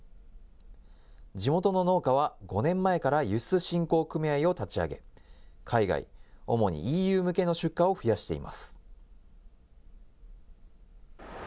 地元の農家は５年前から輸出振興組合を立ち上げ、海外、主にＥＵ向けの出荷を増やしています。